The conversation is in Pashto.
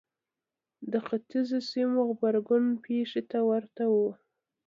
د ختیځو سیمو غبرګون پېښې ته ورته و.